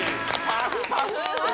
パフパフ！